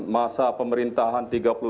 masa pemerintahan tiga puluh dua tahun